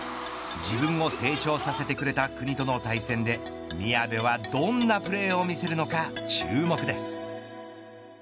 自分を成長させてくれた国との対戦で宮部はどんなプレーを見せるのか注目です。